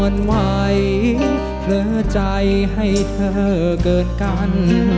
อ่อนไหวเผลอใจให้เธอเกินกัน